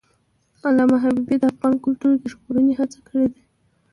علامه حبیبي د افغان کلتور د ژغورنې هڅې کړی دي.